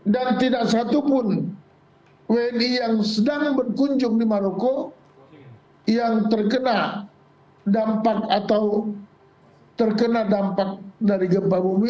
dan tidak satupun wni yang sedang berkunjung di maroko yang terkena dampak atau terkena dampak dari gempa bumi